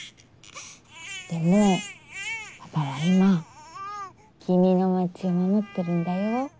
でもパパは今君の町を守ってるんだよ。